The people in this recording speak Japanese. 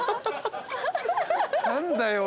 何だよ。